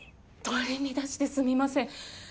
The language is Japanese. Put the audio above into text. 取り乱してすみません。